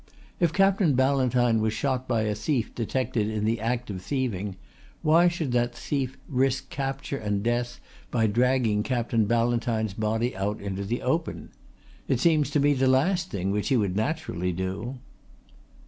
If Captain Ballantyne was shot by a thief detected in the act of thieving why should that thief risk capture and death by dragging Captain Ballantyne's body out into the open? It seems to me the last thing which he would naturally do."